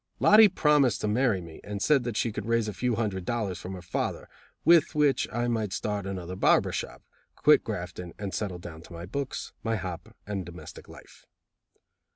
Lottie promised to marry me, and said that she could raise a few hundred dollars from her father, with which I might start another barber shop, quit grafting, and settle down to my books, my hop and domestic life.